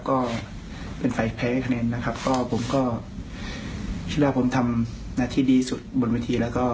ก็เป็นไฟแพ้คะแนนนะครับก็ผมก็เวลาผมทำหน้าที่ดีสุดบนเวทีแล้วก็